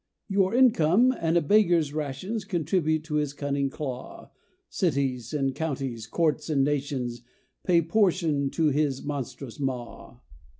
Your income and a beggar's rations Contribute to his cunning claw; Cities and counties, courts and nations Pay portion to his monstrous maw.